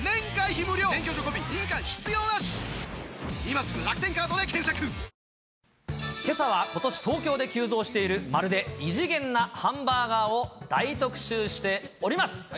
またまたシルエット、これ、けさは、ことし東京で急増しているまるで異次元なハンバーガーを大特集しております。